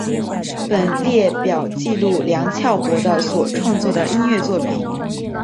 本列表记录梁翘柏的所创作的音乐作品